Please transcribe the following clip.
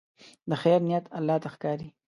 د خیر نیت الله ته ښکاري.